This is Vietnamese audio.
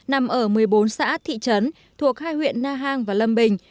nằm ở một mươi bốn xã thị trấn thuộc hai huyện na hàng và lâm bình